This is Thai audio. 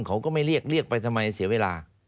เขาก็ไม่เรียกเรียกไปทำไมเสียเวลา